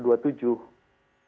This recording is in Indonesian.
nah ini dilakukan